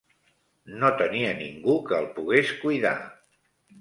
No tenia ningú que el pogués cuidar.